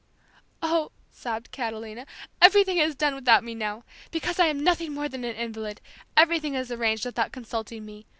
"Oh," sobbed Catalina, "everything is done without me now! Because I am nothing more than an invalid, everything is arranged without consulting me!